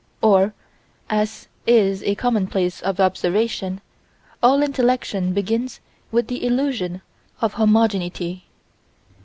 Or, as is a commonplace of observation, all intellection begins with the illusion of homogeneity.